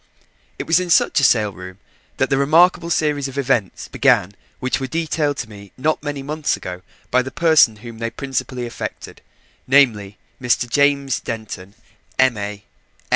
It was in such a sale room that the remarkable series of events began which were detailed to me not many months ago by the person whom they principally affected, namely, Mr. James Denton, M.A.